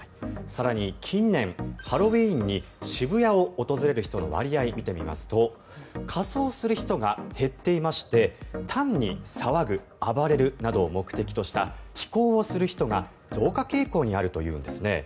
更に近年、ハロウィーンに渋谷を訪れる人の割合を見てみますと仮装する人が減っていまして単に騒ぐ、暴れるなどを目的とした非行をする人が増加傾向にあるというんですね。